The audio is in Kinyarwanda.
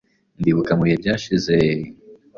Ndibuka mu bihe byashize ...